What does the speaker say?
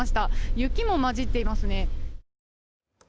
雪も混じっていますね。